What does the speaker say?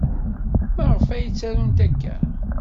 Maɣef ay ttarunt akka?